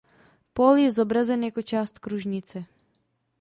Pól je zobrazen jako část kružnice.